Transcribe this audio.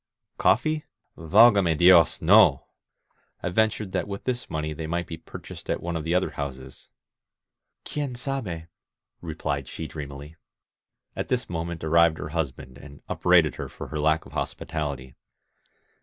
Coffee? Valgame Dios, no I I ven tured that with this money they might be purchased 16 URBINA'S COUNTRY at one of the other houses. "Quien sabef replied she dreamily. At this moment arrived the husband and upbraided her for her lack of hospitality.